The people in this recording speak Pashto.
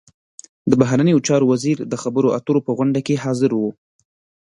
د بهرنیو چارو وزیر د خبرو اترو په غونډه کې حاضر و.